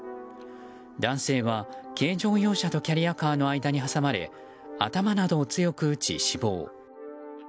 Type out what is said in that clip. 男性は軽乗用車とキャリアカーの間に挟まれ頭などを強く打ち死亡。